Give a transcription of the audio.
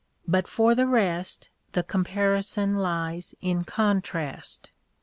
But for the rest the comparison lies in contrast.